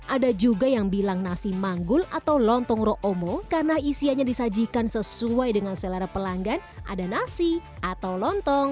ada juga yang bilang nasi manggul atau lontong roomo karena isiannya disajikan sesuai dengan selera pelanggan ada nasi atau lontong